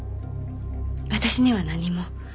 私には何も。